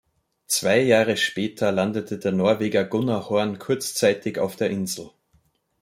Zwei Jahre später landete der Norweger Gunnar Horn kurzzeitig auf der Insel.